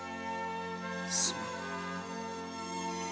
すまん。